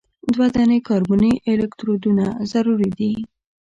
دوه دانې کاربني الکترودونه ضروري دي.